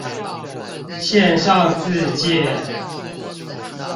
線上自介